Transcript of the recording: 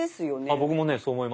僕もねそう思います。